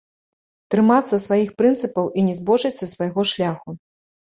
Трымацца сваіх прынцыпаў і не збочыць са свайго шляху.